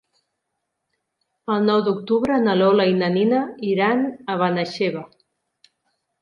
El nou d'octubre na Lola i na Nina iran a Benaixeve.